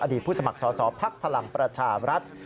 ผู้สมัครสอสอภักดิ์พลังประชาบรัฐ